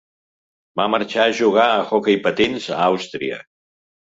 Va marxar a jugar a hoquei patins a Àustria.